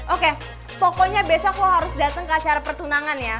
oke pokoknya besok kok harus datang ke acara pertunangan ya